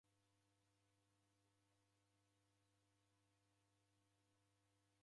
Naw'egua ibamba